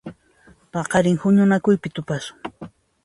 Paqarin huñunakuypi tupasun.